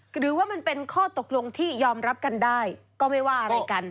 หรือว่ามันเป็นข้อตกลงที่ยอมรับกันได้ก็ไม่ว่าอะไรกัน